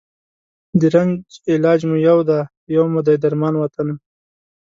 د رنځ علاج مو یو دی، یو مو دی درمان وطنه